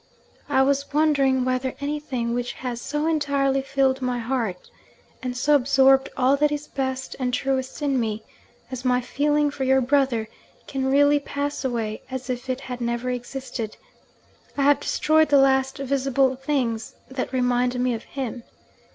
I was wondering whether anything which has so entirely filled my heart, and so absorbed all that is best and truest in me, as my feeling for your brother, can really pass away as if it had never existed. I have destroyed the last visible things that remind me of him.